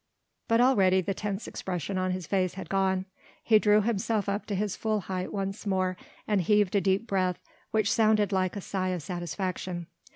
But already the tense expression on his face had gone. He drew himself up to his full height once more and heaved a deep breath which sounded like a sigh of satisfaction.